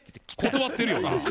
断ってるよな。